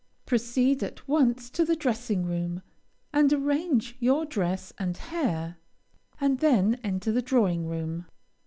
Proceed at once to the dressing room, and arrange your dress and hair, and then enter the drawing room.